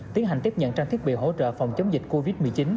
tiến hành tiếp nhận trang thiết bị hỗ trợ phòng chống dịch covid một mươi chín